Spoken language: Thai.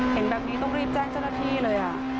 เห็นแบบนี้ต้องรีบแจ้งเจ้าหน้าที่เลย